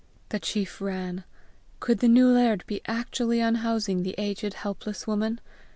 The chief ran: could the new laird be actually unhousing the aged, helpless woman?